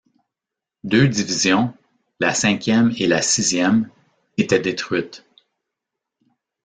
Deux divisions, la cinquième et la sixième, étaient détruites.